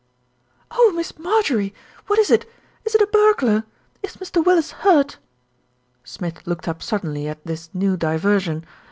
"Oh, Miss Marjorie! What is it? Is it a burglar? Is Mr. Willis hurt?" Smith looked up suddenly at this new diversion.